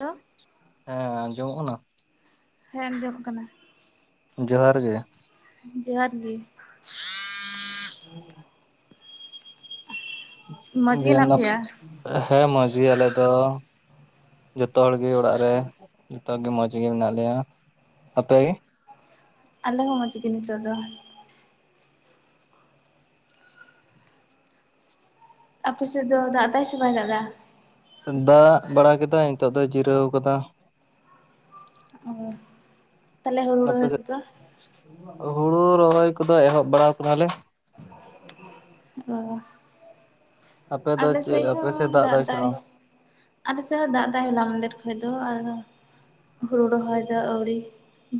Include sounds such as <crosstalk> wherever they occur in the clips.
Hello ᱦᱮᱸ ᱟᱸᱡᱚᱢᱚᱜ ᱠᱟᱱᱟ ᱦᱮᱸ ᱟᱱᱡᱚᱢ ᱠᱟᱱᱟ᱾ ᱡᱚᱦᱟᱨ ᱜᱮ᱾ ᱡᱚᱦᱟᱨ ᱜᱤ ᱦᱮᱸ ᱢᱚᱡᱽ ᱜᱮ ᱦᱮᱱᱟᱜ ᱜᱮᱭᱟᱱᱟᱯᱮ ᱯᱮᱭᱟ ᱦᱮᱸ ᱢᱚᱡᱽ ᱜᱮ ᱟᱞᱮ ᱫᱚ ᱡᱚᱛᱚ ᱦᱚᱲ ᱜᱮ ᱚᱲᱟᱜ ᱨᱮ ᱡᱚᱛᱚ ᱦᱚᱲ ᱜᱮ ᱢᱚᱸᱡᱽ ᱜᱮ ᱢᱮᱱᱟᱜ ᱞᱮᱭᱟ ᱟᱯᱮᱜᱮ ᱟᱞᱮ ᱦᱚᱸ ᱢᱚᱡᱽ ᱜᱮ ᱱᱤᱛᱚᱜ ᱫᱚ ᱟᱯᱮ ᱥᱮᱫ ᱫᱚ ᱫᱟᱜ ᱫᱟᱭ ᱥᱮ ᱵᱟᱭ ᱫᱟᱜ ᱮᱫᱟ ᱫᱟᱜ ᱵᱟᱲᱟ ᱠᱮᱫᱟᱭ ᱱᱤᱛᱚᱜ ᱫᱚ ᱡᱤᱨᱟᱹᱣ ᱟᱠᱟᱫᱟ ᱚ ᱛᱟᱦᱚᱞᱮ ᱦᱩᱲᱩ ᱟᱯᱮ ᱨᱚᱦᱚᱭ ᱥᱮᱫ ᱠᱚᱫᱚ ᱦᱩᱲᱩ ᱨᱚᱦᱚᱭ ᱠᱚᱫᱚ ᱮᱦᱚᱵ ᱵᱟᱲᱟᱣ ᱠᱟᱱᱟᱞᱮ ᱚ ᱟᱯᱮ ᱫᱚ ᱟᱞᱮ ᱪᱮᱫ ᱥᱮᱫ ᱟᱯᱮ ᱦᱚᱸ ᱫᱟᱜ ᱥᱮ ᱫᱟᱭ ᱵᱟᱝ ᱟᱞᱮ ᱥᱮᱫ ᱦᱚ ᱫᱟᱜ ᱮᱫᱟ ᱦᱚᱞᱟ ᱢᱟᱫᱷᱮᱨ ᱠᱷᱚᱡ ᱫᱚ ᱦᱩᱲᱩ ᱨᱚᱦᱚᱭ ᱫᱚ ᱟᱣᱨᱤ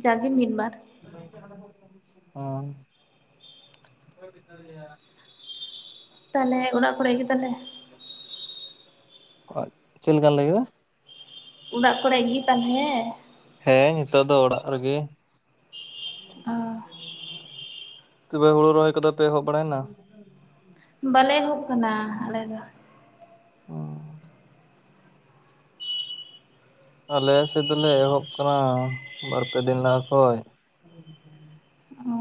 ᱡᱟᱜᱮ ᱢᱤᱫ ᱵᱟᱨ <inaudible> ᱛᱟᱦᱚᱞᱮ ᱚᱲᱟᱜ ᱠᱚᱨᱮ ᱜᱮ ᱛᱟᱞᱮ ᱪᱮᱫᱠᱟ ᱞᱟᱹᱭ ᱠᱮᱫᱟ ᱚᱲᱟᱜ ᱠᱚᱨᱮ ᱜᱮ ᱛᱟᱞᱦᱮ ᱦᱮᱸ ᱱᱤᱛᱳᱜ ᱫᱚ ᱚᱲᱟᱜ ᱨᱮᱜᱮ ᱚ ᱛᱚᱵᱮ ᱦᱩᱲᱩ ᱨᱚᱦᱚᱭ ᱠᱚᱫᱚ ᱯᱮ ᱮᱦᱚᱵ ᱵᱟᱲᱟᱭᱮᱱᱟ ᱵᱟᱞᱮ ᱮᱦᱚᱵ ᱠᱟᱱᱟ ᱟᱞᱮ ᱫᱚ <unintelligible> ᱟᱞᱮ ᱥᱮᱫ ᱫᱚᱞᱮ ᱮᱦᱚᱵ ᱠᱟᱱᱟ ᱵᱟᱨᱯᱮ ᱫᱤᱱ ᱞᱟᱦᱟ ᱠᱷᱚᱡ ᱚ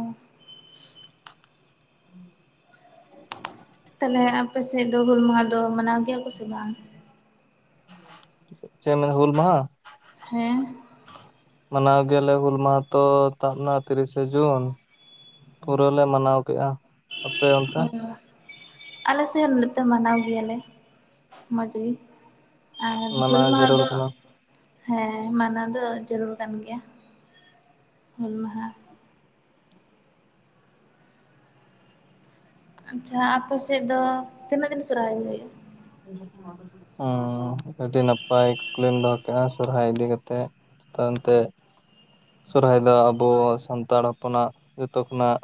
ᱛᱟᱦᱚᱞᱮ ᱟᱯᱮᱥᱮᱫ ᱫᱚ ᱦᱩᱞ ᱢᱟᱦᱟ ᱫᱚ ᱢᱟᱱᱟᱣ ᱜᱮᱭᱟ ᱠᱚ ᱥᱮ ᱵᱟᱝ ᱪᱮ ᱚᱱᱟ ᱦᱩᱞ ᱢᱟᱦᱟ ᱦᱮᱸ ᱢᱟᱱᱟᱣ ᱜᱮᱭᱟᱞᱮ ᱦᱩᱞ ᱢᱟᱦᱟ ᱛᱚ ᱛᱟᱵᱱᱟ ᱛᱤᱨᱤᱥᱮ ᱡᱩᱱ ᱯᱩᱨᱟᱹ ᱞᱮ ᱢᱟᱱᱟᱣ ᱠᱮᱫᱼᱟ ᱟᱯᱮ ᱚᱱᱛᱮ ᱚ ᱟᱞᱮ ᱥᱮᱜ ᱱᱟᱛᱮ ᱢᱟᱱᱟᱣ ᱜᱮᱭᱟᱞᱮ ᱢᱚᱸᱡᱽ ᱜᱮ ᱟᱨ ᱦᱩᱞ ᱢᱟᱱᱟᱣ ᱢᱟᱦᱟ ᱡᱟᱹᱨᱩᱲ ᱫᱚ ᱠᱟᱱᱟ ᱦᱮᱸ ᱢᱟᱱᱟᱣ ᱫᱚ ᱡᱟᱹᱨᱩᱲ ᱠᱟᱱ ᱜᱮᱭᱟ ᱦᱩᱞ ᱢᱟᱦᱟ ᱟᱪᱪᱷᱟ ᱟᱯᱮ ᱥᱮᱫ ᱫᱚ ᱛᱤᱱᱟᱹᱜ ᱫᱤᱱ ᱥᱚᱨᱦᱟᱭ ᱦᱩᱭᱩᱜᱼᱟ ᱚ ᱟᱹᱰᱤ ᱱᱟᱯᱟᱭ ᱠᱩᱠᱞᱤᱢ ᱫᱚᱦᱚ ᱠᱮᱜᱼᱟ ᱥᱚᱨᱦᱟᱭ ᱤᱫᱤ ᱠᱟᱛᱮᱜ ᱟᱫᱚ ᱮᱱᱛᱮ ᱥᱚᱦᱨᱟᱭ ᱫᱚ ᱟᱵᱚ ᱥᱟᱱᱛᱟᱲ ᱦᱚᱯᱚᱱᱟᱜ ᱡᱚᱛᱚ ᱠᱷᱚᱱᱟᱜ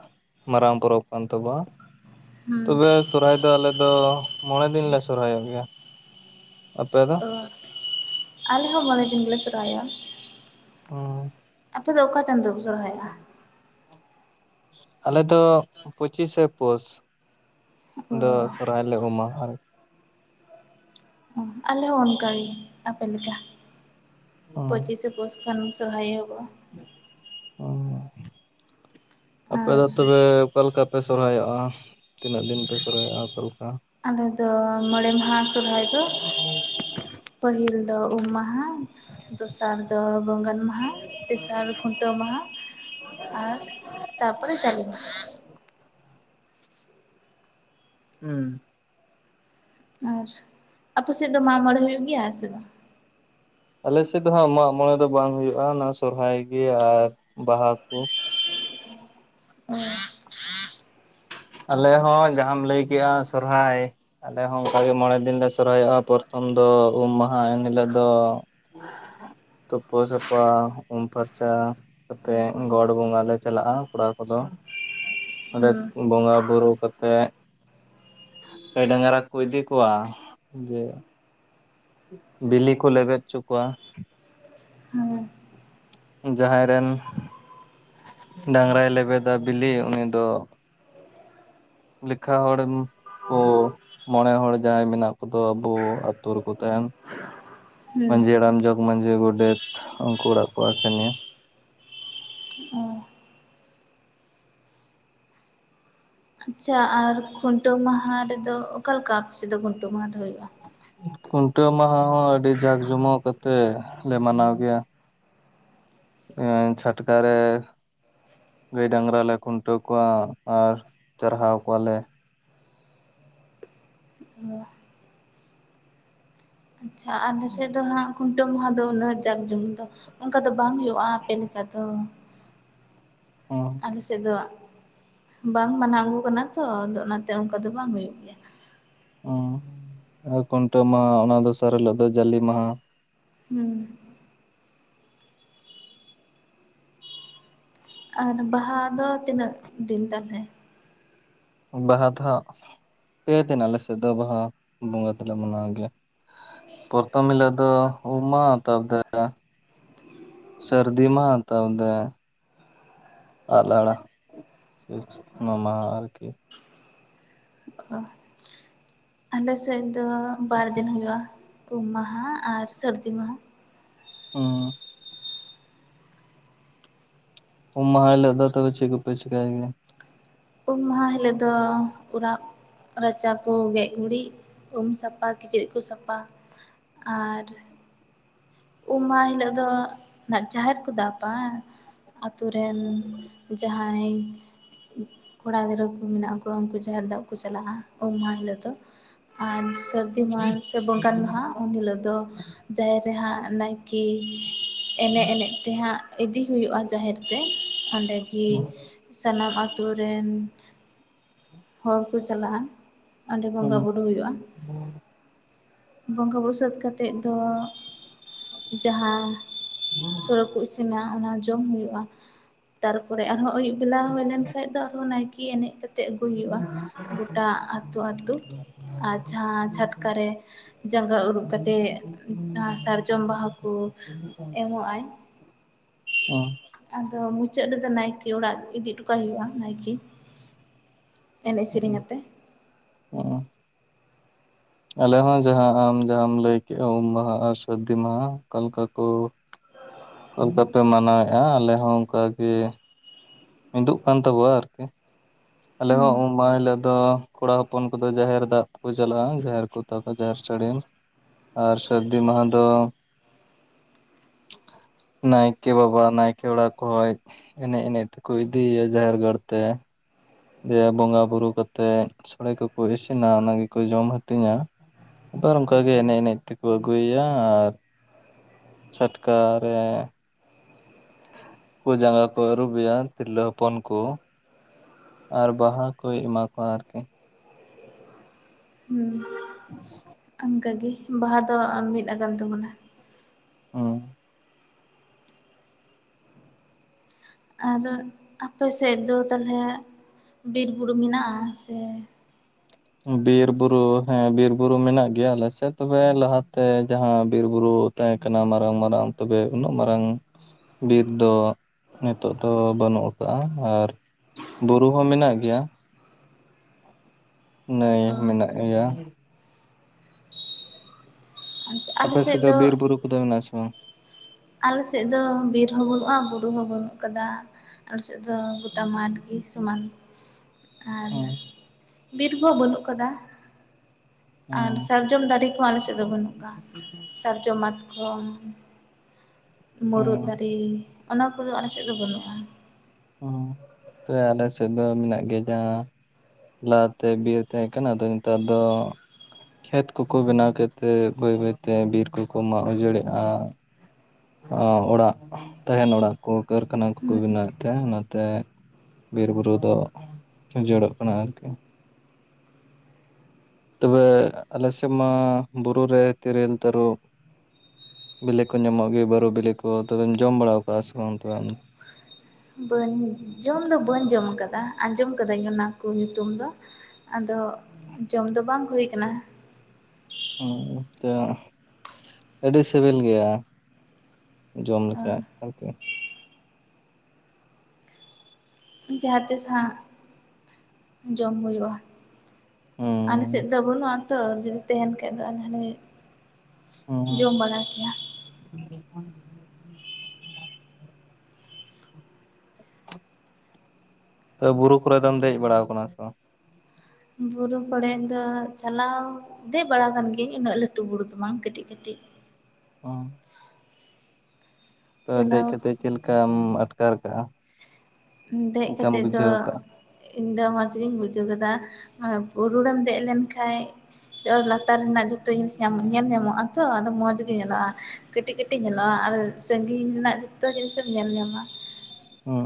ᱢᱟᱨᱟᱝ ᱯᱚᱨᱚᱵᱽ ᱠᱟᱱ ᱛᱟᱵᱚᱱᱟ ᱦᱩᱸ ᱛᱚᱵᱮ ᱥᱚᱨᱦᱟᱭ ᱫᱚ ᱟᱞᱮ ᱫᱚ ᱢᱚᱬᱮ ᱫᱤᱱ ᱞᱮ ᱥᱚᱦᱨᱟᱭᱚᱜ ᱜᱮᱭᱟ ᱟᱯᱮ ᱫᱚ ᱟᱞ ᱦᱚᱸ ᱢᱚᱬᱮ ᱫᱤᱧ ᱜᱮᱞᱮ ᱥᱚᱨᱦᱟᱭ ᱚᱜ-ᱟ ᱚ ᱟᱯᱮ ᱫᱚ ᱚᱠᱟ ᱪᱟᱫᱳ ᱯᱮ ᱥᱚᱨᱦᱟᱭᱚᱜᱼᱟ ᱟᱞᱮ ᱫᱚ ᱯᱚᱸᱪᱤᱥᱮ ᱯᱳᱥ ᱚ ᱫᱚ ᱥᱚᱨᱦᱟᱭ ᱞᱮ ᱩᱢ-ᱟ ᱟᱨ ᱟᱞᱮ ᱦᱚᱸ ᱚᱱᱠᱟᱜᱮ ᱟᱯᱮ ᱞᱮᱠᱟ ᱦᱩᱸ ᱯᱚᱸᱪᱤᱥᱮ <inaudible> ᱥᱚᱨᱦᱟᱭ ᱮᱦᱚᱵᱚᱜ-ᱟ ᱚ ᱟᱯᱮ ᱟᱨ ᱫᱚ ᱛᱚᱵᱮ ᱚᱠᱟ ᱞᱮᱠᱟ ᱯᱮ ᱥᱚᱨᱦᱟᱭᱚᱜᱼᱟ ᱛᱤᱱᱟᱹᱜ ᱫᱤᱱ ᱯᱮ ᱥᱚᱨᱦᱟᱭᱚᱜᱼᱟ ᱚᱠᱟ ᱞᱮᱠᱟ ᱟᱞᱮ ᱫᱚ ᱢᱚᱲᱮ ᱢᱟᱦᱟ ᱥᱚᱨᱦᱟᱭ ᱫᱚ ᱯᱟᱹᱦᱤᱞ ᱫᱚ ᱩᱢ ᱢᱟᱦᱟ ᱫᱚᱥᱟᱨ ᱫᱚ ᱵᱚᱸᱜᱟᱱ ᱢᱟᱦᱟ ᱛᱮᱥᱟᱨ ᱠᱷᱩᱱᱴᱟᱹᱣ ᱢᱟᱦᱟ ᱟᱨ ᱛᱟᱨ ᱯᱚᱨᱮ ᱪᱟᱞᱮ ᱢᱟᱦᱟ ᱦᱩᱸ ᱟᱨ ᱟᱯ ᱥᱮᱫ ᱫᱚ ᱢᱟᱜ ᱢᱚᱬᱮ ᱦᱩᱭᱩᱜ ᱜᱮᱭᱟ ᱥᱮ ᱵᱟᱝ ᱟᱞᱮ ᱥᱮᱫ ᱫᱚ ᱦᱟᱸᱜ ᱢᱟᱜ ᱢᱚᱬᱮ ᱫᱚ ᱵᱟᱝ ᱦᱩᱭᱩᱜᱼᱟ ᱚᱱᱟ ᱥᱚᱨᱦᱟᱭ ᱜᱮ ᱟᱨ ᱵᱟᱦᱟ ᱠᱚ <inaudible> ᱟᱞᱮ ᱦᱚᱸ ᱡᱟᱦᱟᱢ ᱞᱟᱹᱭᱠᱮᱜᱼᱟ ᱥᱚᱨᱦᱟᱭ ᱟᱞᱮ ᱦᱚᱸ ᱚᱱᱠᱟᱜᱮ ᱢᱚᱬᱮ ᱫᱤᱱ ᱞᱮ ᱥᱚᱨᱦᱟᱭᱚᱜᱼᱟ ᱯᱨᱚᱛᱷᱚᱢ ᱫᱚ ᱩᱢ ᱢᱟᱦᱟ ᱮᱱ ᱦᱤᱞᱳᱜ ᱫᱚ ᱛᱳᱯᱚ ᱥᱟᱯᱟ ᱩᱢ ᱯᱷᱟᱨᱪᱟ ᱠᱚᱛᱮ ᱜᱚᱰ ᱵᱚᱸᱜᱟ ᱞᱮ ᱪᱟᱞᱟᱜ-ᱟ ᱠᱚᱲᱟ ᱠᱚᱫᱚ ᱚᱸᱰᱮ ᱦᱩᱸ ᱵᱚᱸᱜᱟ ᱵᱩᱨᱩ ᱠᱟᱛᱮᱜ ᱜᱟᱹᱭ ᱰᱟᱝᱜᱟᱨᱟ ᱠᱚ ᱤᱫᱤ ᱠᱚᱣᱟ ᱡᱮ ᱵᱤᱞᱤ ᱠᱚ ᱞᱮᱵᱮᱫ ᱩᱪᱩ ᱠᱩᱣᱟ ᱦᱩᱸ ᱡᱟᱦᱟᱸᱭ ᱨᱮᱱ ᱰᱟᱝᱜᱟᱨᱟᱭ ᱞᱮᱵᱮᱫᱟ ᱵᱤᱞᱤ ᱩᱱᱤ ᱫᱚ ᱞᱮᱠᱷᱟ ᱦᱚᱲᱮᱢ ᱚ ᱢᱚᱬᱮ ᱦᱚᱲ ᱡᱟᱦᱟᱸᱭ ᱢᱮᱱᱟᱜ ᱠᱚᱫᱚ ᱟᱵᱩ ᱟᱛᱩ ᱨᱮᱠᱚ ᱛᱟᱦᱮᱱ ᱦᱩᱸ ᱢᱟᱺᱡᱷᱤ ᱦᱟᱲᱟᱢ ᱡᱚᱜᱽ ᱢᱟᱺᱡᱷᱤ ᱜᱚᱰᱮᱛ ᱩᱱᱠᱩ ᱚᱲᱟᱜ ᱠᱚ ᱟᱥᱮᱱᱤᱭᱟ ᱚ <unintelligible> ᱟᱪᱪᱷᱟ ᱟᱨ ᱠᱷᱩᱱᱴᱟᱹᱣ ᱢᱟᱦᱟ ᱨᱮᱫᱚ ᱚᱠᱟᱞᱮᱠᱟ ᱟᱯᱮᱥᱮ ᱫᱚ ᱠᱷᱩᱱᱴᱟᱹᱣ ᱢᱟᱦᱟ ᱫᱚ ᱦᱩᱭᱩᱜ-ᱟ? ᱠᱷᱩᱱᱴᱟᱹᱣ ᱢᱟᱦᱟ ᱦᱚᱸ ᱟᱹᱰᱤ ᱡᱟᱸᱠ ᱡᱚᱢᱚᱠ ᱟᱛᱮᱞᱮ ᱢᱟᱱᱟᱣ ᱜᱮᱭᱟ ᱮᱸ ᱪᱷᱟᱴᱠᱟ ᱨᱮ ᱜᱟᱹᱭ ᱰᱟᱝᱜᱨᱟ ᱞᱮ ᱠᱷᱩᱱᱴᱟᱹᱣ ᱠᱚᱣᱟ ᱟᱨ ᱪᱟᱨᱦᱟᱣ ᱠᱚᱣᱟᱞᱮ ᱚ <inaudible> ᱟᱪᱪᱷᱟ ᱟᱞᱮᱥᱮᱫ ᱫᱚ ᱦᱟᱸᱜ ᱠᱷᱩᱱᱴᱟᱹᱣ ᱢᱟᱦᱟ ᱫᱚ ᱩᱱᱟᱹᱜ ᱡᱟᱠ ᱡᱚᱢᱚᱠ ᱫᱚ ᱚᱱᱠᱟ ᱫᱚ ᱵᱟᱝ ᱦᱩᱭᱩᱜ-ᱟ ᱟᱯᱮ ᱞᱮᱠᱟ ᱫᱚ ᱦ <inaudible> ᱟᱞᱮᱥᱮᱫ ᱫᱚ ᱵᱟᱝ ᱢᱟᱱᱟᱣ ᱟᱹᱜᱩ ᱠᱟᱱᱟ ᱛᱚ ᱟᱫᱚ ᱚᱱᱟᱛᱮ ᱚᱱᱠᱟ ᱫᱚ ᱵᱟᱝ ᱦᱩᱭᱩᱜ ᱜᱮᱭᱟ, ᱚ ᱠᱷᱩᱱᱴᱟᱹᱣ ᱢᱟᱦᱟ ᱚᱱᱟ ᱫᱚᱥᱟᱨ ᱦᱤᱞᱟᱹᱜ ᱫᱚ ᱡᱟᱹᱞᱤ ᱢᱟᱦᱟ ᱦᱩᱸ ᱟᱨ ᱵᱟᱦᱟ ᱫᱚ ᱛᱤᱱᱟᱹᱜ ᱫᱤᱱ ᱛᱟᱦᱚᱞᱮ ᱵᱟᱦᱟ ᱫᱚ ᱦᱟᱸᱜ ᱯᱮ ᱫᱤᱱ ᱟᱞᱮ ᱥᱮᱫᱚ ᱵᱟᱦᱟ ᱵᱚᱸᱜᱟ ᱫᱚᱞᱮ ᱢᱟᱱᱟᱣ ᱜᱮᱭᱟ ᱯᱚᱨᱛᱷᱚᱢ ᱦᱤᱞᱳᱜ ᱫᱚ ᱩᱢ ᱢᱟᱦᱟ ᱛᱟᱨ <inaudible> ᱥᱟᱹᱨᱫᱤ ᱢᱟᱦᱟ <unintelligible> ᱛᱟᱨᱯᱚᱫᱮ <unintelligible> ᱢᱟᱦᱟ ᱟᱨᱠᱤ ᱟᱞᱮ ᱥᱮᱫ ᱫᱚ ᱵᱟᱨ ᱫᱤᱱ ᱦᱩᱭᱩᱜ-ᱟ ᱩᱢ ᱢᱟᱦᱟ ᱟᱨ ᱥᱟᱹᱨᱫᱤ ᱢᱟᱦᱟ ᱚ ᱩᱢ ᱢᱟᱦᱟ ᱦᱤᱞᱚᱜ ᱫᱟ ᱛᱚᱵᱮ ᱪᱮᱫ ᱠᱚᱯᱮ ᱪᱤᱠᱟᱭ ᱜᱮᱭᱟ ᱩᱢ ᱢᱟᱦᱟ ᱦᱤᱞᱳᱜ ᱫᱚ ᱚᱲᱟᱜ ᱨᱟᱪᱟ ᱠᱚ ᱜᱮᱡ ᱜᱩᱨᱤᱡ ᱩᱢ ᱥᱟᱯᱟ ᱠᱤᱪᱨᱤᱡ ᱠᱚ ᱥᱟᱯᱟ ᱟᱨ ᱩᱢ ᱢᱟᱦᱟ ᱦᱤᱞᱳᱜ ᱫᱚ ᱱᱟ ᱡᱟᱦᱮᱨ ᱠᱚ ᱫᱟᱵᱟ ᱦᱟᱸᱝ ᱟᱛᱩ ᱨᱮᱱ ᱡᱟᱦᱟᱸᱭ ᱠᱚᱲᱟ ᱜᱤᱫᱽᱨᱟᱹ ᱠᱚ ᱢᱮᱱᱟᱜ ᱠᱚᱣᱟ ᱩᱱᱠᱩ ᱡᱟᱦᱮᱨ ᱫᱟᱵ ᱠᱚ ᱪᱟᱞᱟᱜ-ᱟ ᱩᱢ ᱢᱟᱦᱟ ᱦᱤᱞᱳᱜ ᱫᱚ ᱟᱨ ᱥᱟᱹᱛ ᱥᱟᱹᱨᱫᱤ ᱢᱟᱦᱟ ᱥᱮ ᱵᱚᱸᱜᱟᱱ ᱢᱟᱦᱟ ᱩᱱ ᱦᱤᱞᱳᱜ ᱫᱚ ᱡᱟᱦᱮᱨ ᱨᱮᱦᱟᱸᱜ ᱱᱟᱭᱠᱤ ᱮᱱᱮᱡ ᱮᱱᱮᱡ ᱛᱮᱦᱟᱸ ᱤᱫᱤ ᱦᱩᱭᱩᱜ-ᱟ ᱡᱟᱦᱮᱨ ᱛᱮ ᱚᱸᱰᱮᱜᱮ ᱥᱟᱱᱟᱢ ᱟᱛᱩ ᱨᱮᱱ ᱦᱚᱲ ᱠᱩ ᱪᱟᱞᱟᱜ-ᱟ ᱚᱸᱰᱮ ᱵᱚᱸᱜᱟ ᱵᱩᱨᱩ ᱦᱩᱭᱩᱜ-ᱟ, ᱵᱚᱸᱜᱟ ᱵᱩᱨᱩ ᱥᱟᱹᱛ ᱠᱟᱛᱮᱫ ᱫᱚ ᱡᱟᱦᱟᱸ ᱥᱩᱲᱟᱹ ᱠᱩ ᱤᱥᱤᱱᱟ ᱚᱱᱟ ᱡᱚᱢ ᱦᱩᱭᱩᱜ-ᱟ ᱛᱟᱨᱯᱚᱨᱮ ᱟᱨᱦᱚᱸ ᱟᱹᱭᱩᱵ ᱵᱮᱞᱟ ᱦᱩᱭ ᱞᱮᱱ ᱠᱷᱟᱱ ᱫᱚ ᱟᱨᱦᱚᱸ ᱱᱟᱭᱠᱤ ᱮᱱᱮᱡ ᱠᱟᱛᱮ ᱛᱮᱫ ᱟᱹᱜᱩᱭ ᱦᱩᱭᱩᱜ-ᱟ ᱜᱚᱴᱟ ᱟᱛᱩ ᱟᱛᱩ ᱡᱟᱦᱟᱸ ᱪᱷᱟᱴᱠᱟ ᱨᱮ ᱡᱟᱸᱜᱟ ᱟᱹᱨᱩᱵ ᱠᱟᱛᱮᱫ ᱟ ᱥᱟᱨ ᱡᱚᱢ ᱵᱟᱦᱟ ᱠᱩ ᱮᱢᱚᱜ ᱟᱭ ᱟᱫᱚ ᱢᱩᱪᱟᱹᱫ ᱨᱮᱫᱚ ᱱᱟᱭᱠᱤ ᱚᱲᱟᱜ ᱤᱫᱤ ᱩᱴᱚ ᱠᱟᱭ ᱦᱩᱭᱩᱜ-ᱟ ᱱᱟᱭᱠᱤ ᱮᱱᱮᱡ ᱥᱤᱨᱤᱧ ᱟᱛᱮ ᱟᱞᱮ ᱦᱚᱸ ᱡᱟᱦᱟᱸ ᱟᱢ ᱡᱟᱦᱟᱸᱢ ᱞᱟᱹᱭ ᱠᱮᱫᱟ ᱩᱢ ᱢᱟᱦᱟ ᱟᱨ ᱥᱟᱹᱨᱫᱤ ᱢᱟᱦᱟ ᱚᱠᱟ ᱞᱮᱠᱟ ᱠᱩ ᱚᱠᱟᱞᱮᱠᱟᱯᱮ ᱢᱟᱱᱟᱣᱮᱫᱼᱟ ᱟᱞᱮ ᱦᱚᱸ ᱚᱱᱠᱟᱜᱮ ᱢᱤᱫᱚᱜ ᱠᱟᱱ ᱛᱟᱵᱚᱣᱟ ᱟᱨᱠᱤ ᱟᱞᱮ ᱦᱩᱸ ᱦᱚᱸ ᱚ ᱢᱟ ᱦᱤᱞᱳᱜ ᱫᱚ ᱠᱚᱲᱟ ᱦᱚᱯᱚᱱ ᱠᱚᱫᱚ ᱡᱟᱦᱮᱨ ᱫᱟᱜ ᱠᱚ ᱪᱟᱞᱟᱜᱼᱟ ᱡᱟᱦᱮᱨ ᱠᱚ ᱛᱟᱵᱟ ᱡᱟᱦᱮᱨ ᱥᱟᱹᱲᱤᱢ ᱟᱨ ᱥᱟᱹᱨᱫᱤ ᱢᱟᱸᱦᱟ ᱫᱚ ᱱᱟᱭᱠᱮ ᱵᱟᱵᱟ ᱱᱟᱭᱠᱮ ᱚᱲᱟᱜ ᱠᱚ ᱮᱱᱮᱡ ᱮᱱᱮᱡ ᱛᱮ ᱠᱚ ᱤᱫᱤᱭᱮᱭᱟ ᱡᱟᱦᱮᱨ ᱜᱚᱲ ᱛᱮ ᱫᱮ ᱵᱚᱸᱜᱟ ᱵᱩᱨᱩ ᱠᱟᱛᱮᱫ ᱥᱳᱲᱮ ᱠᱚᱠᱚ ᱤᱥᱤᱱᱟ ᱚᱱᱟ ᱜᱮᱠᱚ ᱡᱚᱢ ᱦᱟᱹᱴᱤᱧᱟ ᱟᱵᱟᱨ ᱚᱱᱠᱟᱜᱮ ᱮᱱᱮᱡ ᱮᱱᱮᱡ ᱛᱮᱠᱚ ᱟᱹᱜᱩᱭᱮᱭᱟ ᱟᱨ ᱪᱷᱟᱴᱠᱟ ᱨᱮ ᱡᱟᱸᱜᱟ ᱠᱚ ᱟᱹᱨᱩᱵᱮᱭᱟ ᱛᱤᱨᱞᱟᱹ ᱦᱚᱯᱚᱱ ᱠᱚ ᱟᱨ ᱵᱟᱦᱟ ᱠᱚᱭ ᱮᱢᱟ ᱠᱚᱣᱟ ᱟᱨᱠᱤ ᱦᱮᱸ <inaudible> ᱚᱱᱠᱟᱜᱮ ᱵᱟᱦᱟ ᱫᱚ ᱢᱤᱫ ᱟᱠᱟᱱ ᱛᱟᱵᱚᱱᱟ᱾ ᱦᱩᱸ ᱟᱨ ᱟᱯᱮ ᱥᱮᱫ ᱫᱚ ᱛᱟᱦᱚᱞᱮ ᱵᱤᱨ ᱵᱩᱨᱩ ᱢᱮᱱᱟᱜ-ᱟ ᱥᱮ ᱵᱤᱨ ᱵᱩᱨᱩ ᱦᱮᱸ ᱵᱤᱨ ᱵᱩᱨᱩ ᱢᱮᱱᱟᱜ ᱜᱮᱭᱟ ᱟᱞᱮᱥᱮᱫ ᱛᱚᱵᱮ ᱞᱟᱦᱟᱛᱮ ᱡᱟᱦᱟᱸ ᱵᱤᱨ ᱵᱩᱨᱩ ᱛᱟᱦᱮᱸ ᱠᱟᱱᱟ ᱢᱟᱨᱟᱝ ᱢᱟᱨᱟᱝ ᱛᱚᱵᱮ ᱩᱱᱟᱹᱜ ᱢᱟᱨᱟᱝ ᱵᱤᱨ ᱫᱚ ᱱᱤᱛᱚᱜ ᱫᱚ ᱵᱟᱹᱱᱩᱜ ᱠᱟᱜᱼᱟ ᱟᱨ ᱵᱩᱨᱩ ᱦᱚᱸ ᱢᱮᱱᱟᱜ ᱜᱮᱭᱟ ᱱᱟᱹᱭ ᱢᱮᱱᱟᱜ ᱜᱮᱭᱟ᱾ ᱟᱯᱮ ᱥᱮᱫ ᱫᱚ ᱵᱤᱨ ᱵᱩᱨᱩ ᱠᱚᱫᱚ ᱢᱮᱱᱟᱜᱼᱟ ᱥᱮ ᱵᱟᱝ? ᱟᱞᱮ ᱥᱮᱫ ᱫᱚ ᱵᱤᱨ ᱦᱚᱸ ᱵᱟᱹᱱᱩᱜᱼᱟ ᱵᱩᱨᱩ ᱦᱚᱸ ᱵᱟᱹᱱᱩᱜ ᱠᱟᱫᱟ ᱟᱞᱮ ᱥᱮᱫ ᱫᱚ ᱜᱚᱴᱟ ᱢᱟᱴ ᱜᱮ ᱥᱚᱢᱟᱱ ᱟᱨ ᱦᱩᱸ ᱵᱤᱨ ᱦᱚᱸ ᱵᱟᱹᱱᱩᱜ ᱠᱟᱫᱟ᱾ ᱟᱨ ᱦᱩᱸ ᱥᱟᱨᱡᱚᱢ ᱫᱟᱨᱮ ᱠᱚᱦᱚᱸ ᱟᱞᱮ ᱥᱮᱫ ᱫᱚ ᱵᱟᱹᱱᱩᱜ ᱠᱚᱜᱼᱟ ᱥᱟᱨᱡᱚᱢ ᱢᱟᱛᱠᱚᱢ ᱢᱩᱨᱩᱫ ᱦᱩᱸ ᱫᱟᱨᱮ ᱚᱱᱟ ᱠᱚᱫᱚ ᱟᱞᱮ ᱥᱮᱫ ᱫᱚ ᱵᱟᱹᱱᱩᱜᱼᱟ᱾ ᱦᱚᱸ ᱦᱟᱯᱮ ᱟᱞᱮ ᱥᱮᱫ ᱫᱚ ᱢᱮᱱᱟᱜ ᱜᱮᱭᱟ ᱡᱟᱦᱟᱸ ᱞᱟᱦᱟ ᱛᱮ ᱵᱤᱨ ᱛᱟᱦᱮᱸ ᱠᱟᱱᱟ ᱟᱫᱚ ᱱᱮᱛᱟᱨ ᱫᱚ ᱠᱷᱮᱛ ᱠᱚᱠᱚ ᱵᱮᱱᱟᱣ ᱠᱮᱫ ᱛᱮ ᱵᱟᱹᱭ ᱵᱟᱹᱭᱛᱮ ᱵᱤᱨ ᱠᱚᱠᱚ ᱢᱟᱜ ᱚᱡᱟᱹᱲᱮᱜᱼᱟ᱾ ᱚᱲᱟᱜ ᱛᱟᱦᱮᱱ ᱚᱲᱟᱜ ᱠᱚ ᱠᱟᱹᱨᱠᱷᱟᱱᱟ ᱠᱚᱠᱚ ᱦᱩᱸ ᱵᱮᱱᱟᱣ ᱮᱫ ᱛᱮ ᱱᱟᱛᱮ ᱵᱤᱨ ᱵᱩᱨᱩ ᱫᱚ ᱩᱡᱟᱹᱲᱚᱜ ᱠᱟᱱᱟ ᱟᱨ ᱠᱤ ᱛᱚᱵᱮ ᱟᱞᱥᱮᱫ ᱢᱟ ᱵᱩᱨᱩ ᱨᱮ ᱛᱤᱨᱤᱞ ᱛᱟᱨᱩᱵ ᱵᱤᱞᱮ ᱠᱚ ᱧᱟᱢᱚᱜ ᱜᱮᱭᱟ ᱵᱟᱹᱨᱩ ᱵᱤᱞᱤ ᱠᱚ ᱛᱚᱵᱮᱢ ᱡᱚᱢ ᱵᱟᱲᱟᱣ ᱠᱟᱜᱼᱟ ᱥᱮ ᱵᱟᱝ ᱛᱚᱵᱮ ᱵᱟᱹᱧ ᱡᱚᱢ ᱫᱚ ᱵᱟᱹᱧ ᱡᱚᱢ ᱠᱟᱫᱟ ᱟᱸᱡᱚᱢ ᱠᱟᱹᱫᱟᱹᱧ ᱚᱱᱟ ᱠᱚ ᱧᱩᱛᱩᱢ ᱫᱚ ᱟᱫᱚ ᱡᱚᱢ ᱫᱚ ᱵᱟᱝ ᱦᱩᱭ ᱟᱠᱟᱱᱟ᱾ <unintelligible> ᱟᱹᱰᱤ ᱥᱤᱵᱤᱞ ᱜᱮᱭᱟ ᱡᱚᱢ ᱞᱮᱠᱷᱟᱡ ᱟᱨᱠᱤ ᱡᱟᱦᱟᱸᱛᱤᱥ ᱦᱟᱸᱜ ᱡᱚᱢ ᱦᱩᱭᱩᱜᱼᱟ᱾ ᱟᱞᱮ ᱦᱩᱸ ᱥᱮᱫ ᱫᱚ ᱵᱟᱹᱱᱩᱜ ᱟᱛᱚ ᱡᱩᱫᱤ ᱛᱟᱦᱮᱱ ᱠᱷᱟᱡ ᱫᱚ ᱟᱞᱮ ᱦᱟᱱᱮ ᱡᱚᱢ ᱵᱟᱲᱟ ᱜᱮᱭᱟ ᱦ <inaudible> ᱟᱯᱮ ᱵᱩᱨᱩ ᱠᱚᱨᱮ ᱫᱚᱢ ᱫᱮᱡ ᱵᱟᱲᱟ ᱟᱠᱟᱱᱟ ᱥᱮ ᱵᱟᱝ ᱵᱩᱨᱩ ᱠᱚᱨᱮ ᱫᱚ ᱪᱟᱞᱟᱣ ᱫᱮᱡᱽ ᱵᱟᱲᱟ ᱠᱟᱱ ᱜᱤᱭᱟᱹᱧ ᱩᱱᱟᱹᱜ ᱞᱟᱹᱴᱩ ᱵᱩᱨᱩ ᱫᱚ ᱵᱟᱝ ᱠᱟᱹᱴᱤᱡ ᱠᱟᱹᱴᱤᱡ ᱚ ᱛᱚ ᱫᱮᱡᱽ ᱪᱟᱞᱟᱣ ᱠᱟᱛᱮᱫ ᱪᱮᱫ ᱞᱮᱠᱟᱢ ᱟᱴᱠᱟᱨ ᱠᱟᱜᱼᱟ᱾ ᱪᱮᱫ ᱫᱮᱡ ᱞᱮᱠᱟᱢ ᱠᱟᱛᱮᱫ ᱫᱚ ᱵᱩᱡᱷᱟᱹᱣ ᱠᱟᱜᱼᱟ? ᱤᱧᱫᱚ ᱢᱚᱸᱡᱽ ᱜᱤᱧ ᱵᱩᱡᱷᱟᱹᱣ ᱠᱮᱫᱟ ᱵᱩᱨᱩᱨᱮᱢ ᱫᱮᱡ ᱞᱮᱱ ᱠᱷᱟᱡ ᱡᱚ ᱞᱟᱛᱟᱨ ᱨᱮᱱᱟᱜ ᱡᱚᱛᱚ ᱡᱤᱱᱤᱥ ᱧᱟᱢ ᱦᱩᱸ ᱧᱮᱞ ᱧᱟᱢᱚᱜᱼᱟ᱾ ᱛᱚ ᱟᱫᱚ ᱢᱚᱡᱽ ᱜᱮ ᱧᱮᱞᱚᱜᱼᱟ ᱠᱟᱹᱴᱤᱡ ᱠᱟᱹᱴᱤᱡ ᱧᱮᱞᱚᱜᱼᱟ ᱟᱨ ᱥᱟᱺᱜᱤᱧ ᱨᱮᱱᱟᱜ ᱡᱚᱛᱚ ᱡᱤᱱᱤᱥ ᱮᱢ ᱧᱮᱞ ᱧᱟᱢᱟ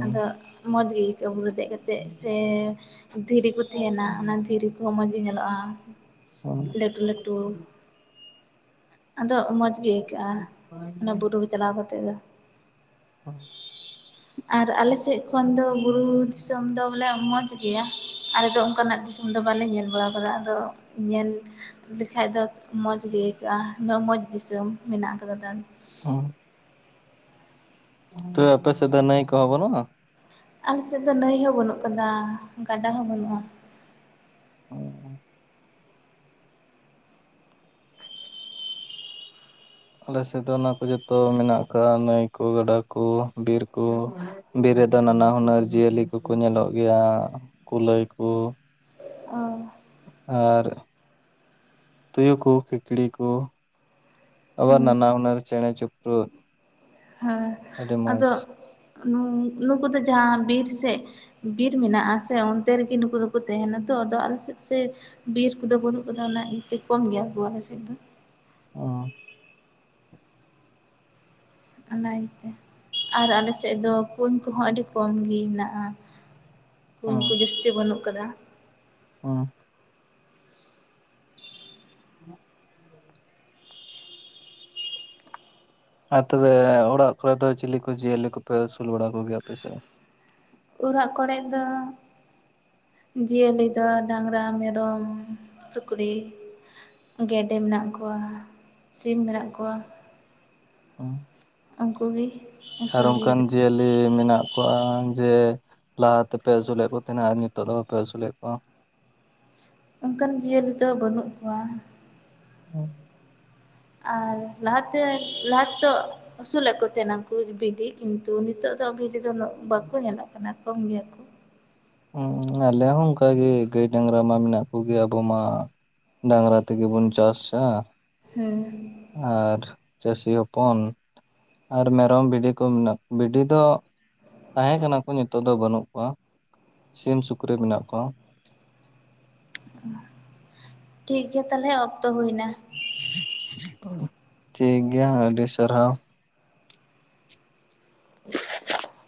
ᱟᱫᱚ ᱢᱚᱡᱽ ᱜᱮ ᱟᱹᱭᱠᱟᱹᱣ ᱵᱩᱨᱩ ᱨᱮ ᱫᱮᱡ ᱠᱟᱛᱮ ᱥᱮ? ᱫᱷᱤᱨᱤ ᱠᱚ ᱛᱟᱦᱮᱱᱟ ᱚᱱᱟ ᱫᱷᱤᱨᱤ ᱠᱚᱦᱚᱸ ᱢᱚᱸᱡᱽ ᱜᱮ ᱧᱮᱞᱚᱜᱼᱟ ᱦᱩᱸ ᱦᱩᱸ ᱞᱟᱹᱴᱩ ᱞᱟᱹᱴᱩ ᱟᱫᱚ ᱢᱚᱡᱽ ᱜᱮ ᱟᱹᱭᱠᱟᱹᱜᱼᱟ ᱚᱱᱟ ᱵᱩᱨᱩ ᱨᱮ ᱪᱟᱞᱟᱣ ᱠᱟᱛᱮᱫ ᱫᱚ ᱟᱨ ᱟᱞᱮ ᱥᱮᱫ ᱠᱷᱚᱱ ᱫᱚ ᱵᱩᱨᱩ ᱡᱚᱢ ᱫᱚ ᱵᱚᱞᱮ ᱢᱚᱡᱽ ᱜᱮᱭᱟ ᱟᱞᱮ ᱫᱚ ᱚᱱᱠᱟᱱᱟᱜ ᱫᱤᱥᱚᱢ ᱫᱚ ᱵᱟᱞᱮ ᱧᱮᱞ ᱵᱟᱲᱟ ᱠᱟᱫᱟ ᱟᱫᱚ ᱧᱮᱞ ᱞᱮᱠᱷᱟᱡ ᱫᱚ ᱢᱚᱸᱡᱽ ᱜᱮ ᱟᱹᱭᱠᱟᱹᱜᱼᱟ ᱩᱱᱟᱹᱜ ᱢᱚᱸᱡᱽ ᱫᱤᱥᱚᱢ ᱢᱮᱱᱟᱜ ᱟᱠᱟᱫᱟ ᱛᱟ ᱛᱚ ᱟᱯᱮ ᱥᱮᱫ ᱫᱚ ᱱᱟᱹᱭ ᱠᱚ ᱵᱟᱱᱩᱜᱼᱟ᱾ ᱟᱞᱮ ᱥᱮᱫ ᱫᱚ ᱱᱟᱹᱭ ᱦᱚᱸ ᱵᱟᱹᱱᱩᱜ ᱟᱠᱟᱫᱟ ᱜᱟᱰᱟ ᱦᱚᱸ ᱵᱟᱹᱱᱩᱜᱼᱟ ᱟᱞᱮ ᱥᱮᱫ ᱫᱚ ᱚᱱᱟ ᱠᱚ ᱡᱚᱛᱚ ᱢᱮᱱᱟᱜ ᱟᱠᱟᱫ ᱱᱟᱹᱭ ᱠᱚ ᱜᱟᱰᱟ ᱠᱚ ᱵᱤᱨ ᱠᱚ ᱵᱤᱨ ᱨᱮᱫᱚ ᱱᱟᱱᱟ ᱦᱩᱱᱟᱹᱨ ᱡᱤᱭᱟᱹᱞᱤ ᱠᱚᱠᱚ ᱧᱮᱞᱚᱜ ᱜᱮᱭᱟ ᱠᱩᱞᱟᱹᱭ ᱠᱚ ᱚᱻ ᱟᱨ ᱛᱩᱭᱩ ᱠᱚ ᱠᱤᱠᱲᱤ ᱠᱚ ᱟᱵᱟᱨ ᱦᱩᱸ ᱱᱟᱱᱟ ᱦᱩᱱᱟᱨ ᱪᱮᱬᱮ ᱪᱩᱯᱲᱩᱡ ᱦᱮᱸ ᱟᱫᱚ ᱱᱩᱠᱩ ᱫᱚ ᱡᱟᱦᱟᱸ ᱵᱤᱨ ᱥᱮᱫ ᱵᱤᱨ ᱢᱮᱱᱟᱜᱼᱟ ᱥᱮ ᱚᱱᱛᱮ ᱨᱮᱜᱮ ᱱᱩᱠᱩ ᱫᱚᱠᱚ ᱛᱟᱦᱮᱱᱟ ᱛᱚ ᱟᱫᱚ ᱟᱞᱮ ᱥᱮᱫ ᱥᱮ ᱵᱤᱨ ᱠᱚᱫᱚ ᱵᱟᱹᱱᱩᱜ ᱟᱠᱟᱫᱟ ᱚᱱᱟ ᱤᱭᱟᱹᱛᱮ ᱠᱚᱢ ᱜᱮᱭᱟ ᱟᱵᱚᱣᱟᱜ ᱞᱟᱥᱮᱫ ᱫᱚ ᱚᱸ ᱚᱱᱟ ᱤᱭᱟᱹᱛᱮ ᱟᱨ ᱟᱞᱮ ᱥᱮᱫ ᱫᱚ ᱠᱩᱧ ᱠᱚᱦᱚᱸ ᱟᱹᱰᱤ ᱠᱚᱢ ᱜᱮ ᱢᱮᱱᱟᱜᱼᱟ ᱠᱩᱧ ᱠᱚ ᱡᱟᱹᱥᱛᱤ ᱵᱟᱹᱱᱩᱜ ᱟᱠᱟᱫᱟ ᱚᱸ <unintelligible> ᱟᱨ ᱛᱚᱵᱮ ᱚᱲᱟᱜ ᱠᱚᱨᱮ ᱫᱚ ᱪᱤᱞᱤ ᱠᱚ ᱡᱤᱭᱟᱹᱞᱤ ᱠᱚᱯᱮ ᱟᱹᱥᱩᱞ ᱵᱟᱲᱟ ᱠᱚᱜᱮᱭᱟ ᱟᱯᱮ ᱥᱮᱫ ᱫᱚ? ᱚᱨᱟᱜ ᱠᱚᱨᱮ ᱫᱚ ᱡᱤᱭᱟᱹᱞᱤ ᱫᱚ ᱰᱟᱝᱨᱟ ᱢᱮᱨᱚᱢ ᱥᱩᱠᱨᱤ ᱜᱮᱰᱮ ᱢᱮᱱᱟᱜ ᱠᱚᱣᱟ ᱥᱤᱢ ᱢᱮᱱᱟᱜ ᱠᱚᱣᱟ ᱚᱸ ᱩᱱᱠᱩ ᱜᱮ ᱟᱨ ᱚᱝᱠᱟᱱ ᱡᱤᱭᱟᱹᱞᱤ ᱡᱮ ᱢᱮᱱᱟᱜ ᱠᱚᱣᱟ ᱡᱮ ᱞᱟᱦᱟ ᱛᱮᱯᱮ ᱟᱹᱥᱩᱞᱮᱫ ᱠᱚ ᱛᱟᱦᱮᱱᱟ ᱟᱨ ᱱᱤᱛᱚᱜ ᱫᱚ ᱵᱟᱯᱮ ᱟᱹᱥᱩᱞᱮᱫ ᱠᱚᱣᱟ᱾ ᱚᱱᱠᱟᱱ ᱡᱤᱭᱟᱹᱞᱤ ᱫᱚ ᱵᱟᱹᱱᱩᱜ ᱠᱚᱣᱟ ᱦᱩᱸ ᱟᱨ ᱞᱟᱦᱟᱛᱮ ᱞᱟᱦᱟ ᱛᱮᱫᱚ ᱟᱹᱥᱩᱞᱮᱫ ᱠᱚ ᱛᱟᱦᱮᱱᱟ ᱩᱱᱠᱩ ᱵᱷᱤᱰᱤ ᱠᱤᱱᱛᱩ ᱱᱤᱛᱚᱜ ᱫᱚ ᱵᱷᱤᱰᱤ ᱫᱚ ᱵᱟᱠᱚ ᱧᱮᱞᱚᱜ ᱠᱟᱱᱟ ᱠᱚᱢ ᱜᱮᱭᱟ ᱠᱚ ᱟᱞᱮ ᱦᱚᱸ ᱚᱱᱠᱟᱜᱮ ᱜᱟᱹᱭ ᱰᱟᱝᱨᱟ ᱢᱟ ᱢᱮᱱᱟᱜ ᱠᱚᱜᱮ ᱟᱵᱚᱢ ᱢᱟ ᱰᱟᱝᱨᱟ ᱛᱮᱜᱮ ᱵᱚᱱ ᱪᱟᱥᱟ ᱦᱩᱸ ᱟᱨ ᱪᱟᱹᱥᱤ ᱦᱚᱯᱚᱱ ᱟᱨ ᱢᱮᱨᱚᱢ ᱵᱷᱤᱰᱤ ᱠᱚ ᱢᱮᱱᱟᱜᱼᱟ ᱵᱷᱤᱰᱤ ᱫᱚ ᱛᱟᱦᱮᱸᱠᱟᱱᱟ ᱠᱚ ᱱᱤᱛᱳᱜ ᱫᱚ ᱵᱟᱹᱱᱩᱜ ᱠᱚᱣᱟ, ᱥᱤᱢ ᱥᱩᱠᱨᱤ ᱢᱮᱱᱟᱜ ᱠᱚᱣᱟ᱾ ᱴᱷᱤᱠ ᱜᱮᱭᱟ ᱛᱟᱦᱞᱮ ᱚᱠᱛᱚ ᱦᱩᱭᱱᱟ᱾ ᱴᱷᱤᱠ ᱜᱮᱭᱟ ᱟᱹᱰᱤ ᱥᱟᱨᱦᱟᱣ <unintelligible>